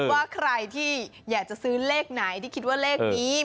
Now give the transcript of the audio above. ว่าใครที่อยากจะซื้อเลขไหนที่คิดว่าเลขนี้